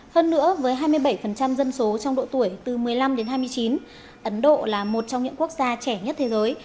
hơn nữa với hai mươi bảy dân số trong độ tuổi từ một mươi năm đến hai mươi chín ấn độ là một trong những quốc gia trẻ nhất thế giới